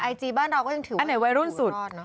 แต่ไอจีบ้านเราก็ยังถือว่าไอจีบรอด